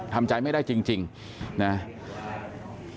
ทำใจไม่ได้จริงนะ